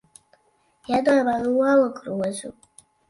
Iedod man olu grozu.